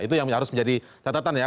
itu yang harus menjadi catatan ya